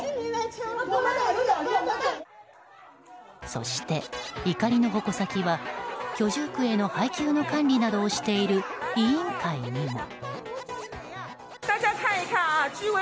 そして怒りの矛先は居住区への配給管理などをしている委員会にも。